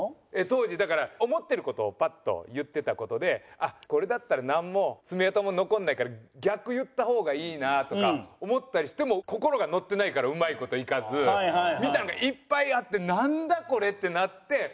当時だから思ってる事をパッと言ってた事であっこれだったらなんも爪痕も残らないから逆言った方がいいなとか思ったりしても心が乗ってないからうまい事いかずみたいなのがいっぱいあって「なんだ？これ」ってなって。